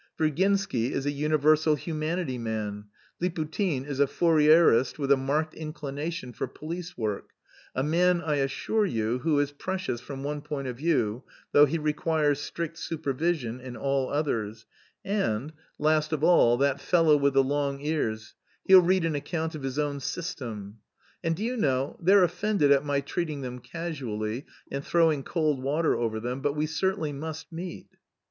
Virginsky is a universal humanity man, Liputin is a Fourierist with a marked inclination for police work; a man, I assure you, who is precious from one point of view, though he requires strict supervision in all others; and, last of all, that fellow with the long ears, he'll read an account of his own system. And do you know, they're offended at my treating them casually, and throwing cold water over them, but we certainly must meet."